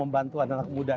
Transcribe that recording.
ya tentang apa ini terjadi